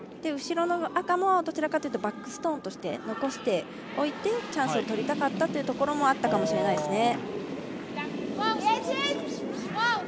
後ろの赤もどちらかというとバックストーンとして残しておいてチャンスをとりたかったというところもあったかもしれないです。